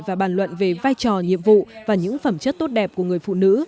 và bàn luận về vai trò nhiệm vụ và những phẩm chất tốt đẹp của người phụ nữ